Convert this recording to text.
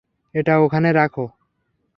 এটা ওখানে রাখো।